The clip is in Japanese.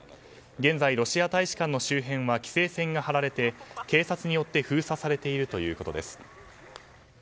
現在ロシア大使館の周辺は規制線が張られて警察によって封鎖されているということです。